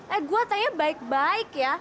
eh gue tanya baik baik ya